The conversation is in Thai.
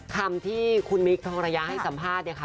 คำที่คุณมิคทองระยะให้สัมภาษณ์เนี่ยค่ะ